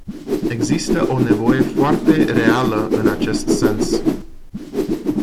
Există o nevoie foarte reală în acest sens.